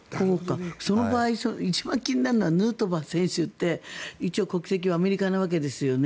その場合一番気になるのはヌートバー選手って一応、国籍はアメリカなわけですよね。